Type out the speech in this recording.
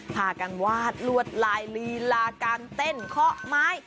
พากันวาดลวดลายลีลาการเต้นเคาะไม้